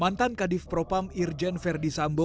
mantan kadif propam irjen verdi sambo